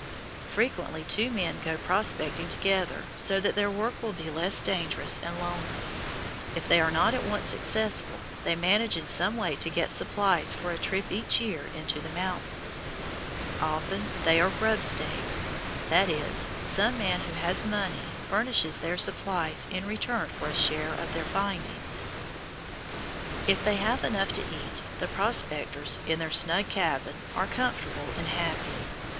Frequently two men go prospecting together so that their work will be less dangerous and lonely. If they are not at once successful, they manage in some way to get supplies for a trip each year into the mountains. Often they are "grub staked," that is, some man who has money furnishes their supplies in return for a share in their findings. If they have enough to eat, the prospectors, in their snug cabin, are comfortable and happy.